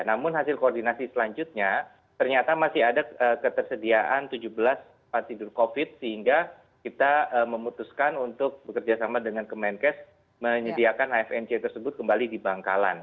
namun hasil koordinasi selanjutnya ternyata masih ada ketersediaan tujuh belas partidur covid sembilan belas sehingga kita memutuskan untuk bekerja sama dengan kemenkes menyediakan hfnc tersebut kembali di bangkalan